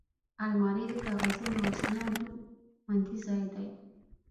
الماري د کاغذونو او اسنادو خوندي ځای دی